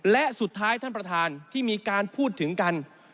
และสุดท้ายท่านประธานที่มีการพูดถึงกัน